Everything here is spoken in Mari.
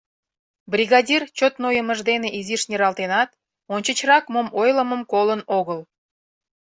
Бригадир чот нойымыж дене изиш нералтенат, ончычрак мом ойлымым колын огыл.